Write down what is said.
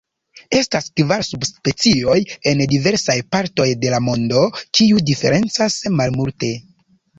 Estas kvar subspecioj en diversaj partoj de la mondo, kiu diferencas malmulte.